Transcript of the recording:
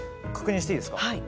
確認していいですか？